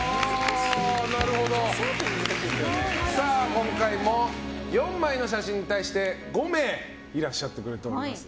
今回も４枚の写真に対して５名いらっしゃってくれてます。